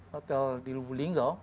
hotel di lubulingga